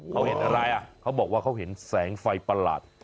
เขาเห็นอะไรอ่ะเขาบอกว่าเขาเห็นแสงไฟประหลาด